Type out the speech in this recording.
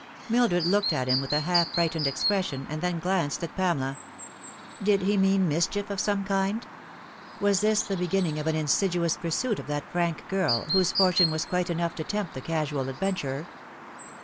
Mildred looked at him with a half frightened expression, and then glanced at Pamela. Did he mean mischief of some kind ? Was this the beginning of an insidious pursuit of that frank girl, whose fortune was quite enough to tempt the casual adventurer